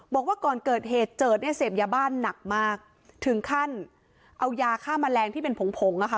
บอกว่าก่อนเกิดเหตุเจิดเนี่ยเสพยาบ้านหนักมากถึงขั้นเอายาฆ่าแมลงที่เป็นผงผงอ่ะค่ะ